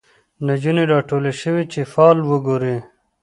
نجونې راټولي شوی چي فال وګوري